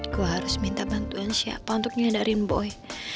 gue harus minta bantuan siapa untuk nyadarin boy